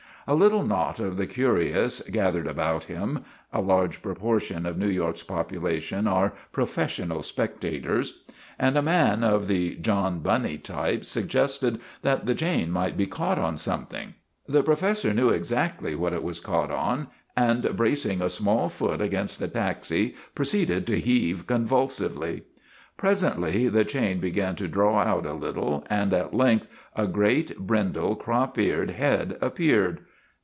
A little knot of the curious gathered about him (a large proportion of New York's population are WOTAN, THE TERRIBLE 215 professional spectators) and a man of the John Bunny type suggested that the chain might be caught on something. The professor knew exactly what it was caught on, and bracing a small foot against the taxi pro ceeded to heave convulsively. Presently the chain began to draw out a little, and at length a great, brindle, crop eared head ap peared.